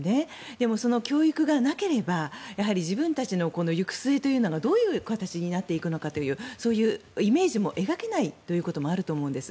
でもその教育がなければ自分たちの行く末がどういう形になっていくのかというそういうイメージも描けないということもあると思うんです。